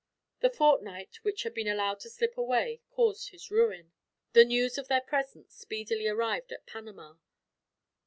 The fortnight which had been allowed to slip away caused his ruin. The news of their presence speedily arrived at Panama.